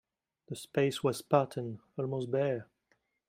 The space was spartan, almost bare.